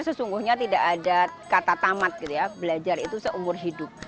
sesungguhnya tidak ada kata tamat gitu ya belajar itu seumur hidup